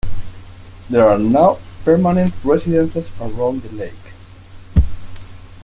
There are now permanent residences around the lake.